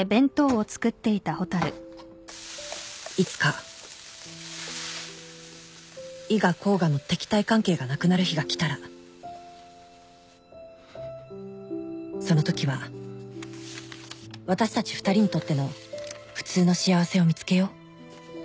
「いつか伊賀甲賀の敵対関係がなくなる日が来たらそのときは私たち二人にとっての『フツウ』の幸せを見つけよう」